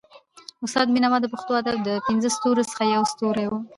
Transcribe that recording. استاد بينوا د پښتو ادب د پنځو ستورو څخه يو ستوری وو.